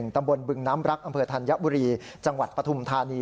ตำบลบึงน้ำรักอำเภอธัญบุรีจังหวัดปฐุมธานี